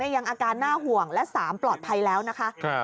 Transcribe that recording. ยังอาการน่าห่วงและ๓ปลอดภัยแล้วนะคะ